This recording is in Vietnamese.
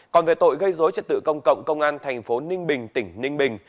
còn về tội gây dối trật tự công cộng công an thành phố ninh bình tỉnh ninh bình